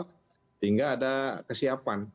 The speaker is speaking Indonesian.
sehingga ada kesiapan